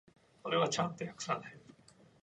He speaks Welsh fluently.